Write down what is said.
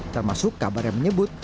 termasuk kabar yang menyebut